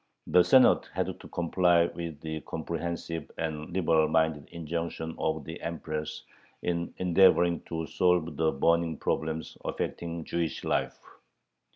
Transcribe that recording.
The Senate had to comply with the comprehensive and liberal minded injunction of the Empress in endeavoring to solve the burning problems affecting Jewish life.